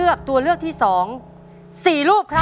คุณยายแจ้วเลือกตอบจังหวัดนครราชสีมานะครับ